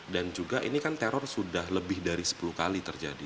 dan juga ini kan teror sudah lebih dari sepuluh kali terjadi